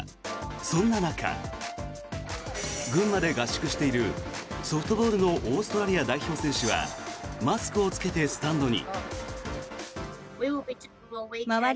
そんな中、群馬で合宿しているソフトボールのオーストラリア代表選手はマスクを着けてスタンドに。